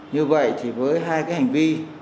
như vậy thì với hai cái hành vi